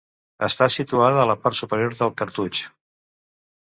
Està situada a la part superior del cartutx.